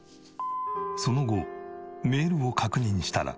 その後メールを確認したら。